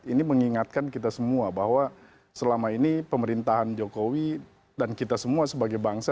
ini mengingatkan kita semua bahwa selama ini pemerintahan jokowi dan kita semua sebagai bangsa